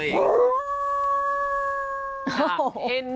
โอ้โห